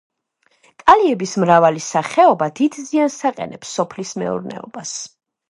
კალიების მრავალი სახეობა დიდ ზიანს აყენებს სოფლის მეურნეობას.